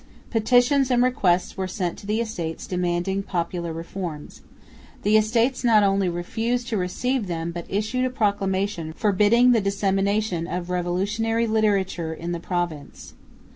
Petitions and requests were sent to the Estates demanding popular reforms. The Estates not only refused to receive them but issued a proclamation forbidding the dissemination of revolutionary literature in the province.